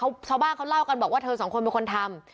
ชาวบ้านเขาเล่ากันบอกว่าเธอสองคนเป็นคนทำ